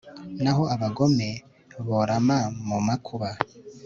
naho abagome borama mu makuba